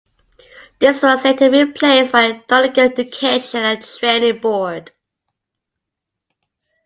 This was later replaced by the Donegal Education and Training Board.